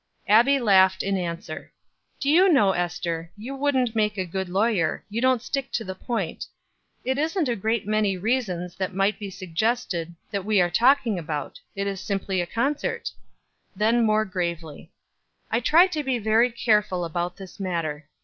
Abbie laughed in answer. "Do you know, Ester, you wouldn't make a good lawyer, you don't stick to the point. It isn't a great many reasons that might be suggested that we are talking about, it is simply a concert." Then more gravely "I try to be very careful about this matter.